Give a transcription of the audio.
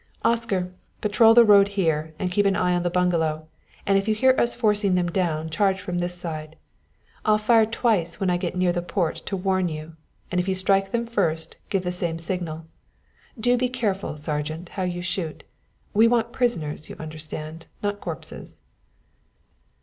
"Oscar, patrol the road here, and keep an eye on the bungalow, and if you hear us forcing them down, charge from this side. I'll fire twice when I get near the Port to warn you; and if you strike them first, give the same signal. Do be careful, Sergeant, how you shoot. We want prisoners, you understand, not corpses."